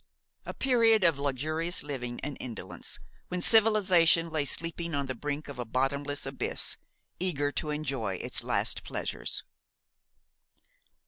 A period of luxurious living and indolence, when civilization lay sleeping on the brink of a bottomless abyss, eager to enjoy its last pleasures.